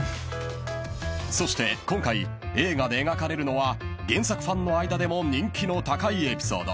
［そして今回映画で描かれるのは原作ファンの間でも人気の高いエピソード